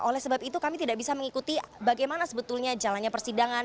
dan oleh sebab itu kami tidak bisa mengikuti bagaimana sebetulnya jalannya persidangan